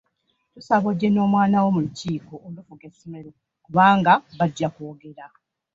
Tukusaba ojje n'omwanawo mu lukiiko olufuga essomero kubanga bajja kwogera.